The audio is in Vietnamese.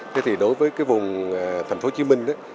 thế thì đối với cái vùng thành phố hồ chí minh đó